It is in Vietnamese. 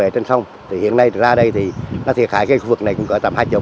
thì nó thiệt hại cái khu vực này cũng có tầm hai mươi